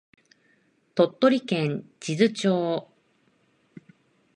鳥取県智頭町